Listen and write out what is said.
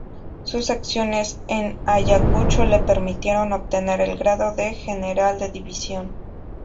Sus acciones en Ayacucho le permitieron obtener el grado de general de división.